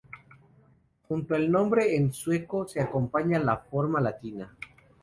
Junto al nombre en sueco se acompaña la forma latina.